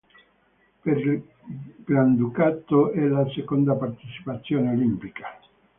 Per il Granducato è la seconda partecipazione olimpica.